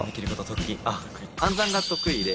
暗算が得意で。